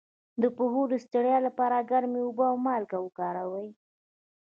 د پښو د ستړیا لپاره ګرمې اوبه او مالګه وکاروئ